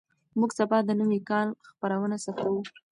موږ سبا د نوي کال خپرونه ثبتوو.